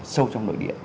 sâu trong nội địa